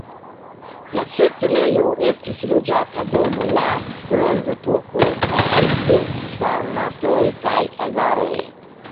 La setlejo estis loĝata dum la bronzepoko kaj de sarmatoj kaj avaroj.